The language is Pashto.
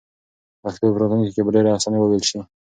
پښتو به په راتلونکي کې په ډېرې اسانۍ وویل شي.